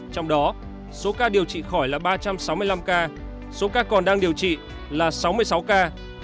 trong đó số ca điều trị khỏi là ba trăm sáu mươi năm ca số ca còn đang điều trị là sáu mươi sáu ca